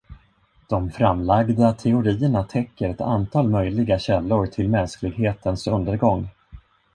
De framlagda teorierna täcker ett antal möjliga källor till mänsklighetens undergång.